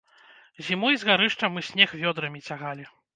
Зімой з гарышча мы снег вёдрамі цягалі.